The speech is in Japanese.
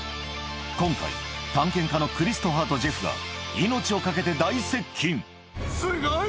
今回探検家のクリストファーとジェフが命を懸けて大接近すごい！